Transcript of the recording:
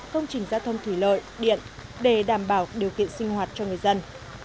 công trình giao thông thủy lợi điện để đảm bảo điều kiện sinh hoạt cho người dân